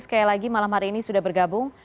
sekali lagi malam hari ini sudah bergabung